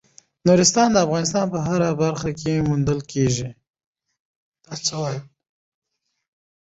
نورستان د افغانستان په هره برخه کې موندل کېږي.